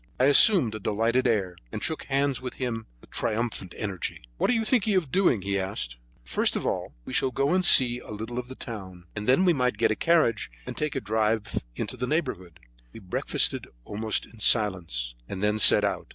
I assumed a delighted air, and shook hands with him with triumphant energy. "What are you thinking of doing?" he asked. "First of all, we will go and see a little of the town, and then we might get a carriage and take a drive in the neighborhood." We breakfasted almost in silence, and then set out.